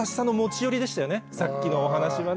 さっきのお話はね。